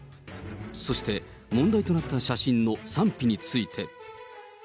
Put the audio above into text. そして、問題となった写真の賛否について。